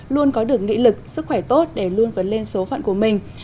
luôn có được nghị lực sức khỏe tốt để luôn vấn lên số vận của mình